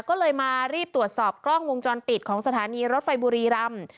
ก็เลยมารีบตรวจสอบกล้องวงจรปิดของสถานีรถไฟบุรีรำ